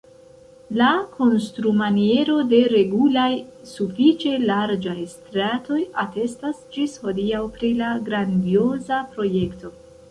La konstrumaniero de regulaj, sufiĉe larĝaj stratoj atestas ĝis hodiaŭ pri la grandioza projekto.